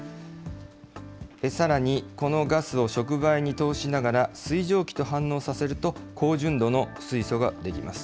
さらにこのガスを触媒に通しながら、水蒸気と反応させると、高純度の水素が出来ます。